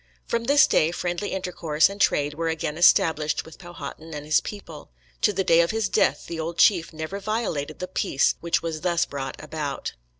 From this day friendly intercourse and trade were again established with Powhatan and his people. To the day of his death the old chief never violated the peace which was thus brought about.